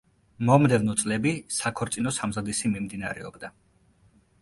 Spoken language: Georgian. მომდევნო წლები საქორწინო სამზადისი მიმდინარეობდა.